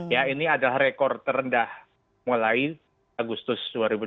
ya ini adalah rekor terendah mulai agustus dua ribu dua puluh